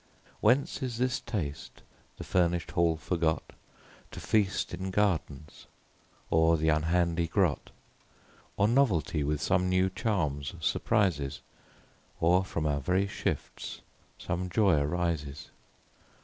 Whence is this taste, the furnish'd hall forgot, To feast in gardens, or th' unhandy grot ? Or novelty with some new charms surprises, Or from our very shifts some joy arises.